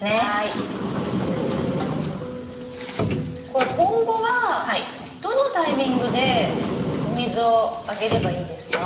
これ今後はどのタイミングでお水をあげればいいですか？